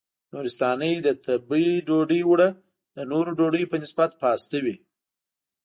نورستانۍ د تبۍ ډوډۍ اوړه د نورو ډوډیو په نسبت پاسته وي.